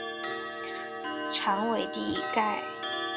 长尾蹄盖蕨为蹄盖蕨科蹄盖蕨属下的一个种。